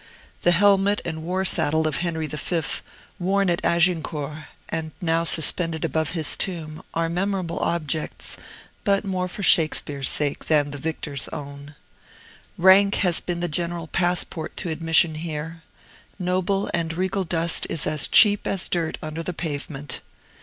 The helmet and war saddle of Henry V., worn at Agincourt, and now suspended above his tomb, are memorable objects, but more for Shakespeare's sake than the victor's own. Rank has been the general passport to admission here. Noble and regal dust is as cheap as dirt under the pavement.